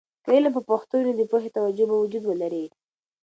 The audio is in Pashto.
که علم په پښتو وي، نو د پوهې توجه به وجود ولري.